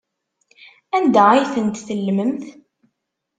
Anda ay tent-tellmemt?